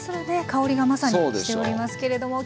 香りがまさにしておりますけれども。